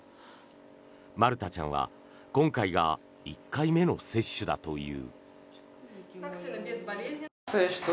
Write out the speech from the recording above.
マルタちゃんは今回が１回目の接種だという。